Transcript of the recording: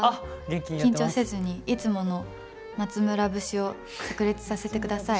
緊張せずにいつもの松村節をさく裂させてください。